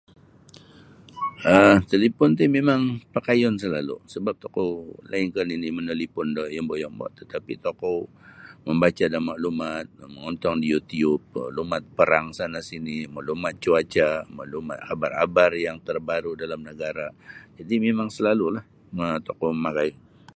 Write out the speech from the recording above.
um talipon ti mimang pakayun salalu' sabap tokou lainkah nini' manalipon da yombo'-yombo' tatapi' tokou mambaca' da maklumat mongontong da youtube maklumat perang sana-sini' maklumat cuaca' maklumat abar-abar yang tarbaru' dalam nagara' iti mimang salalu'lah ma tokou mamakai.